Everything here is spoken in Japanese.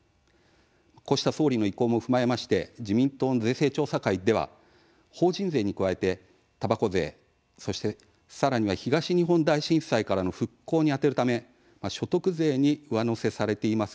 こうした総理の意向も踏まえまして自民党の税制調査会では法人税に加えて、たばこ税そして、さらには東日本大震災からの復興に充てるため所得税に上乗せされています